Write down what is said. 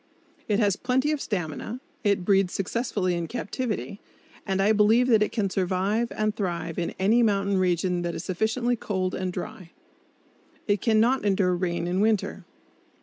It has plenty of stamina, it breeds successfully in captivity, and I believe that it can survive and thrive in any mountain region that is sufficiently cold and dry. It can not endure rain in winter!